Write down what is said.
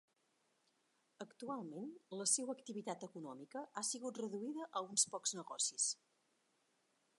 Actualment la seua activitat econòmica ha sigut reduïda a uns pocs negocis.